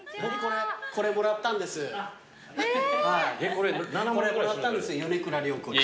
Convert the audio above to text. これもらったんです米倉涼子に。